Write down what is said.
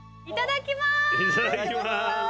いただきます。